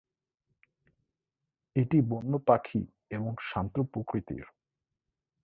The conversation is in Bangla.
এটি বন্য পাখি এবং শান্ত প্রকৃতির।